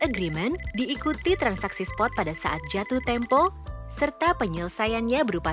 agreement diikuti transaksi spot pada saat jatuh tempo serta penyelesaiannya berupa